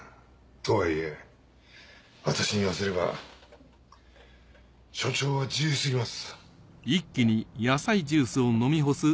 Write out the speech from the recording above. とはいえ私に言わせれば署長は自由すぎます。